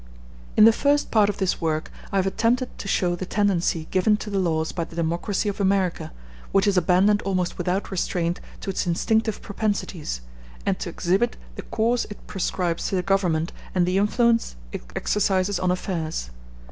In the first part of this work I have attempted to show the tendency given to the laws by the democracy of America, which is abandoned almost without restraint to its instinctive propensities, and to exhibit the course it prescribes to the Government and the influence it exercises on affairs.